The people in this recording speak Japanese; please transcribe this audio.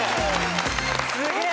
すげえ。